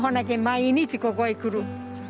毎日ここへ来る。